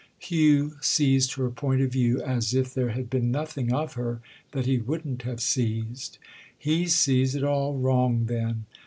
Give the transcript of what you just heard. Hugh seized her point of view as if there had been nothing of her that he wouldn't have seized. "He sees it all wrong then!